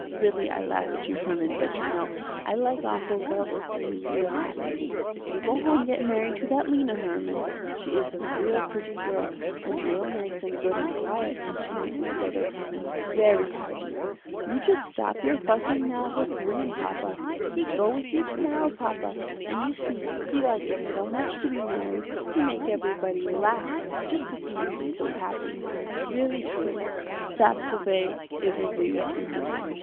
Really I laugh at you Herman, but you know I like awful well to see you real happy. You go home and get married to that Lena, Herman. She is a real pretty girl and real nice and good and quiet and she make my brother Herman very happy. You just stop your fussing now with Herman, papa. He go with you to morrow papa, and you see he like it so much to be married, he make everybody laugh just to see him be so happy. Really truly, that's the way it will be with you Herman.